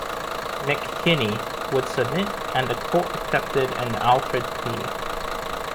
McKinney would submit and the court accepted an Alford plea.